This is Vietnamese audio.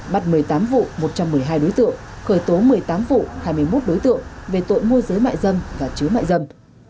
bắt một mươi tám vụ một trăm một mươi hai đối tượng khởi tố một mươi tám vụ hai mươi một đối tượng về tội mua giới mại dâm và chứa mại dâm